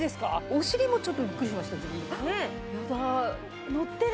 お尻もちょっとビックリしました。